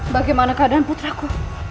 bagaimana keadaan putraku